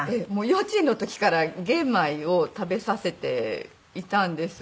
幼稚園の時から玄米を食べさせていたんです。